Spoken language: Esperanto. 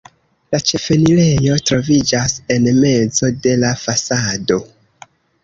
La ĉefenirejo troviĝas en mezo de la fasado.